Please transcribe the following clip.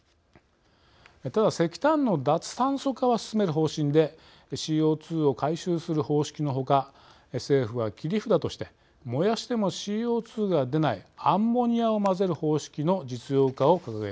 ただ石炭の脱炭素化は進める方針でＣＯ２を回収する方式のほか政府は切り札として燃やしてもＣＯ２が出ないアンモニアを混ぜる方式の実用化を掲げています。